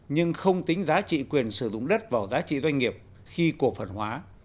nhưng không tính giá trị quyền sử dụng đất vào giá trị doanh nghiệp khi cổ phần hóa